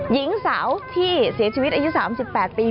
หญิงสาวที่เสียชีวิตอายุ๓๘ปี